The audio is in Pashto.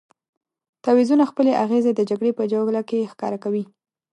تعویضونه خپلې اغېزې د جګړې په جوله کې ښکاره کوي.